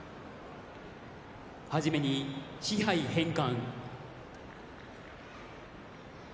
初めに賜盃返還。